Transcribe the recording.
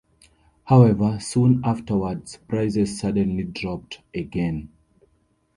However, soon afterwards prices suddenly dropped again.